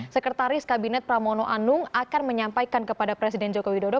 sekretaris kabinet pramono anung akan menyampaikan kepada presiden joko widodo